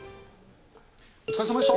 お疲れさまでした。